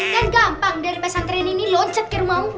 kan gampang dari pesantren ini loncat ke rumahmu